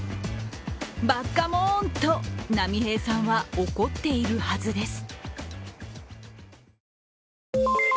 「ばっかもーん」と波平さんは怒っているはずです。